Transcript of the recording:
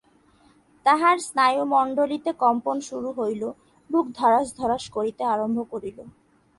তাহার স্নায়ুমণ্ডলীতে কম্পন শুরু হইল, বুক ধড়াস ধড়াস করিতে আরম্ভ করিল।